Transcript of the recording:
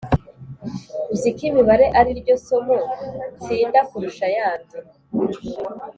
uziko imibare ariryo somo nstinda kurusha ayandi